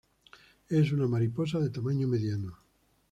Es una mariposa de tamaño mediano.